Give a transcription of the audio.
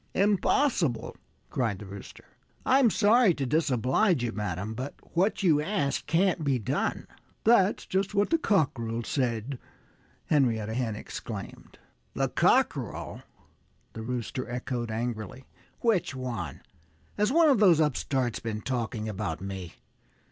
"Impossible!" cried the Rooster. "I'm sorry to disoblige you, madam. But what you ask can't be done." "That's just what the cockerel said!" Henrietta Hen exclaimed. "The cockerel!" the Rooster echoed angrily. "Which one? Has one of those upstarts been talking about me?